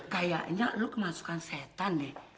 kayaknya lo kemasukan setan deh